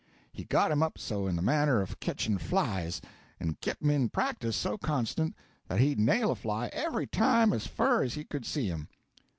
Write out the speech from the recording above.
He got him up so in the matter of ketching flies, and kep'him in practice so constant, that he'd nail a fly every time as fur as he could see him.